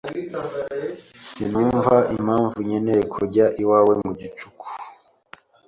Sinumva impamvu nkeneye kujya iwawe mu gicuku.